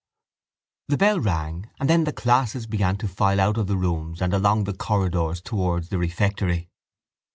The bell rang and then the classes began to file out of the rooms and along the corridors towards the refectory.